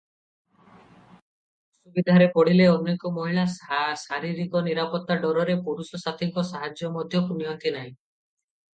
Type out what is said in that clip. ଅସୁବିଧାରେ ପଡ଼ିଲେ ଅନେକ ମହିଳା ଶାରୀରିକ ନିରାପତ୍ତା ଡରରେ ପୁରୁଷ ସାଥୀଙ୍କ ସାହାଯ୍ୟ ମଧ୍ୟ ନିଅନ୍ତି ନାହିଁ ।